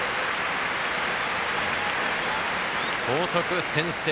報徳、先制。